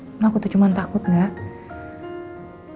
emang aku tuh cuman takut gak